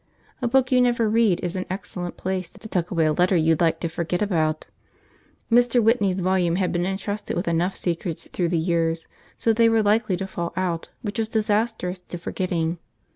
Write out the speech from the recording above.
A book you never read is an excellent place to tuck away a letter you'd like to forget about. Mr. Whitney's volume had been entrusted with enough secrets through the years so that they were likely to fall out, which was disastrous to forgetting.